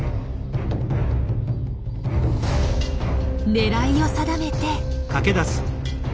狙いを定めて。